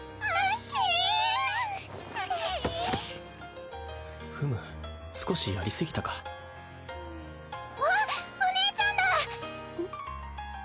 ステキふむ少しやりすぎたかあっお姉ちゃんだ！